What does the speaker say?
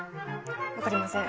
分かりません。